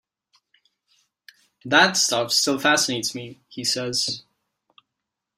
That stuff still fascinates me, he says.